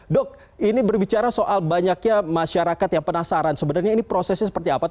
dok ini berbicara soal banyaknya masyarakat yang penasaran sebenarnya ini prosesnya seperti apa